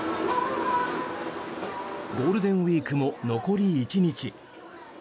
ゴールデンウィークも残り１日。